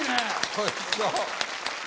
おいしそう。